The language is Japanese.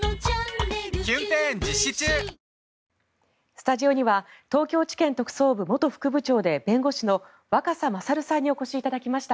スタジオには東京地検特捜部元副部長で弁護士の若狭勝さんにお越しいただきました。